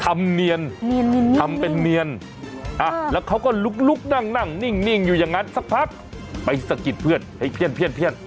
ทำเนียนทำเป็นเนียนแล้วเขาก็ลุกนั่งนั่งนิ่งอยู่อย่างนั้นสักพักไปสะกิดเพื่อนให้เพี้ยน